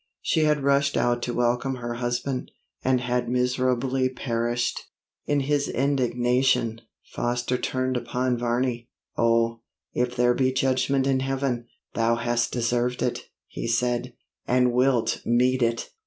She had rushed out to welcome her husband, and had miserably perished. In his indignation, Foster turned upon Varney. 'Oh, if there be judgement in heaven, thou hast deserved it,' he said, 'and wilt meet it!